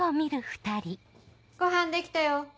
ごはんできたよ。